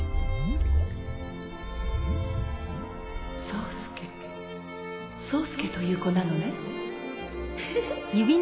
ソウスケ宗介という子なのね。